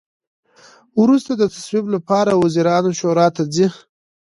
وروسته د تصویب لپاره وزیرانو شورا ته ځي.